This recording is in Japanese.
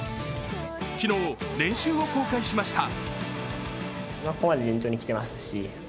昨日、練習を公開しました。